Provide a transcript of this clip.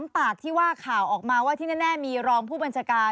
ปากที่ว่าข่าวออกมาว่าที่แน่มีรองผู้บัญชาการ